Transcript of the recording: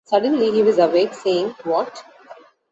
Suddenly he was awake, saying: "What?"